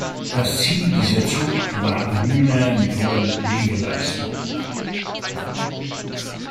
Das Ziel dieser Zucht waren Hühner mit hoher Legeleistung.